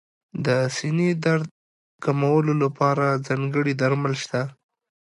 د سینې درد کمولو لپاره ځانګړي درمل شته.